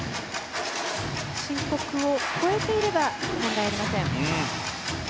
申告を超えていれば問題ありません。